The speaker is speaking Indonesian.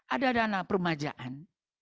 ada dana permajaan